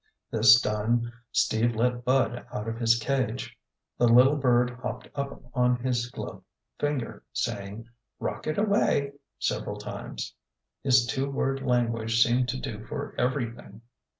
This done, Steve let Bud out of his cage. The little bird hopped up on his gloved finger, saying, "Rocket away!" several times. His two word language seemed to do for everything.